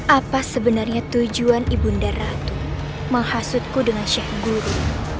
apa sebenarnya tujuan ibunda ratu menghasutku dengan sheikh guru